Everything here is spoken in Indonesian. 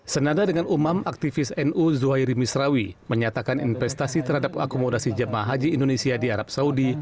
senada dengan umam aktivis nu zuhairi misrawi menyatakan investasi terhadap akomodasi jemaah haji indonesia di arab saudi